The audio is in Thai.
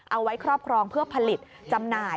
เอาไว้ครอบครองเพื่อผลิตจำหน่าย